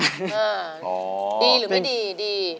ดีหรือไม่ดีดี